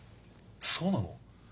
そうなの？